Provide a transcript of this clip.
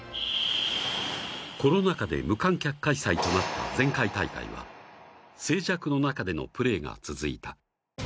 コロナ禍で無観客開催となった前回大会は、静寂の中でのプレーが続いた。